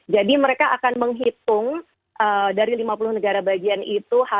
jadi mereka akan menghitung dari lima puluh negara bagian itu